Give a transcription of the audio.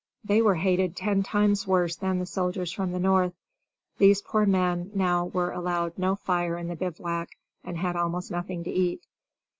They were hated ten times worse than the soldiers from the North. These poor men now were allowed no fire in the bivouac, and had almost nothing to eat.